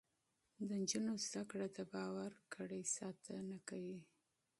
د نجونو زده کړه د باور کړۍ ساتنه کوي.